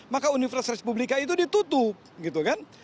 maka universitas republika itu ditutup gitu kan